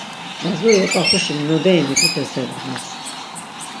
Lazut̆i ot̆axuşi noderi miğut̆es he ndğas.